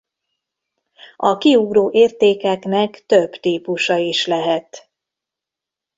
A kiugró értékeknek több típusa is lehet.